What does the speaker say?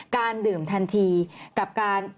การดื่มทันทีกับการ